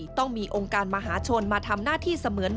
ซึ่งกลางปีนี้ผลการประเมินการทำงานขององค์การมหาชนปี๒ประสิทธิภาพสูงสุด